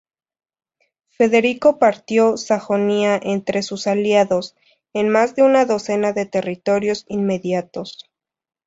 Federico partió Sajonia entre sus aliados, en más de una docena de territorios inmediatos.